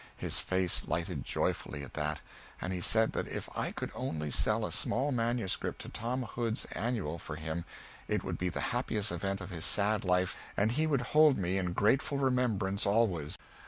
His face lighted joyfully at that, and he said that if I could only sell a small manuscript to Tom Hood's Annual for him it would be the happiest event of his sad life and he would hold me in grateful remembrance always.